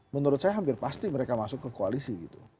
menurut saya hampir pasti mereka masuk ke koalisi gitu